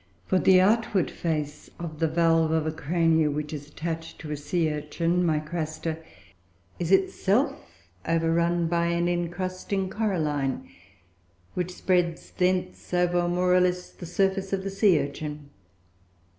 For the outward face of the valve of a Crania, which is attached to a sea urchin, (Micraster), is itself overrun by an incrusting coralline, which spreads thence over more or less of the surface of the sea urchin.